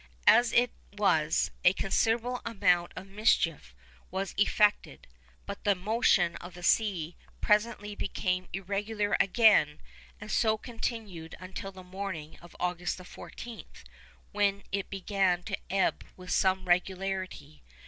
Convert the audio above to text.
As it was, a considerable amount of mischief was effected; but the motion of the sea presently became irregular again, and so continued until the morning of August 14th, when it began to ebb with some regularity.